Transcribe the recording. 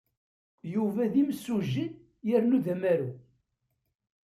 Yuba d imsujji yernu d amaru.